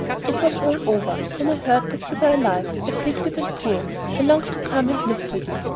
It was all over, when I heard that you were alive, afflicted, and poor. I longed to come and live for you.